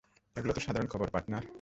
এগুলো তো সাধারণ খবর, পার্টনার।